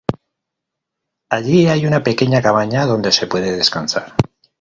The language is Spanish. Allí hay una pequeña cabaña donde se puede descansar.